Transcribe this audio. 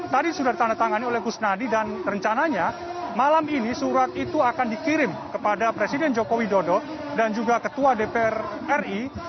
tadi sudah ditandatangani oleh kusnadi dan rencananya malam ini surat itu akan dikirim kepada presiden joko widodo dan juga ketua dpr ri